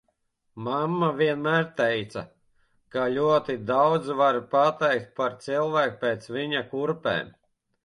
Mamma vienmēr teica, ka ļoti daudz var pateikt par cilvēku pēc viņa kurpēm.